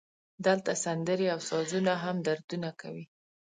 دلته سندرې او سازونه هم دردونه کوي